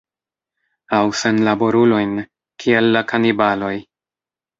Aŭ senlaborulojn, kiel la kanibaloj?